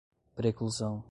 preclusão